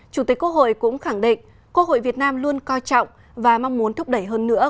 chủ tịch quốc hội cũng khẳng định quốc hội việt nam luôn coi trọng và mong muốn thúc đẩy hơn nữa